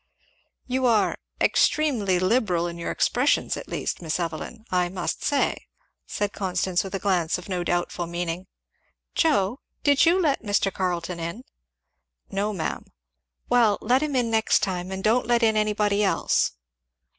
"You are extremely liberal in your expressions, at least, Miss Evelyn, I must say," said Constance, with a glance of no doubtful meaning. "Joe did you let Mr. Carleton in?" "No, ma'am." "Well let him in next time; and don't let in anybody else."